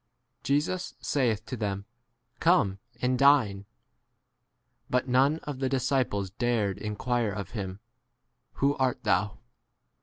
Jesus saith to them, Come and dine. But none of the disciples dared in quire of him, Who art thou